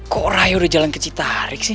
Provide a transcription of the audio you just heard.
kok rayu udah jalan ke citarik sih